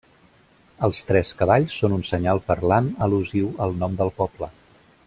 Els tres cavalls són un senyal parlant al·lusiu al nom del poble.